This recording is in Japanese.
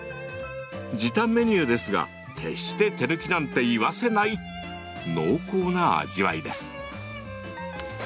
時短メニューですが決して手抜きなんて言わせない濃厚な味わいです。